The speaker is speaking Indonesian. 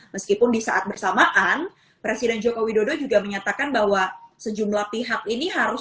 meskipun di saat bersamaan presiden joko widodo juga menyatakan bahwa sejumlah pihak ini harus